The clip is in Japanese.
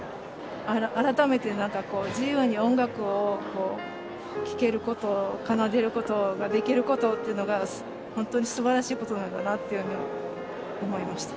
改めて、なんかこう、自由に音楽を聴けること、奏でること、できることっていうのが、本当にすばらしいことなんだなっていうふうに思いました。